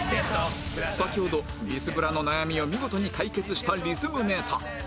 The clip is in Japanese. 先ほどビスブラの悩みを見事に解決したリズムネタ